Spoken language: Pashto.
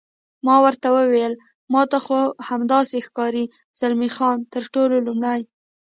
ما ورته وویل: ما ته خو همداسې ښکاري، زلمی خان: تر ټولو لومړی.